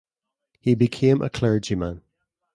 He became a clergyman.